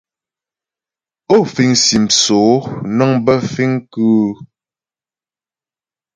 Ó fìŋ sim sóó nəŋ bə fìŋ kʉ́ʉ ?